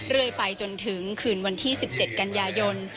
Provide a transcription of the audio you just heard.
เรื่อยไปจนถึงคืนวันที่๑๗กันยายน